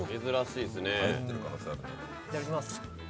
いただきます。